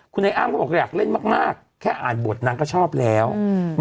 คุณไอ้อ้ามก็บอกอยากเล่นมากมากแค่อ่านบทนางก็ชอบแล้วอืม